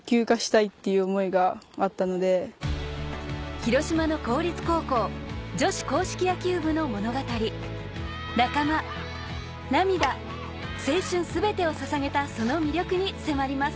広島の公立高校女子硬式野球部の物語仲間涙青春全てをささげたその魅力に迫ります